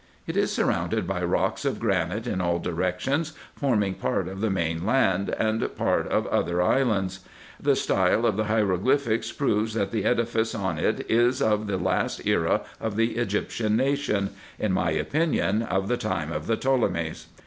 It is surrounded by rocks of granite in all directions, forming part of the main land, and part of other islands. The style of the hieroglyphics proves, that the edifice on it is of the last era of the Egyptian nation : in my opinion, of the time of the Ptolemies.